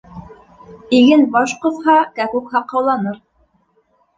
Иген баш ҡоҫһа, кәкүк һаҡауланыр.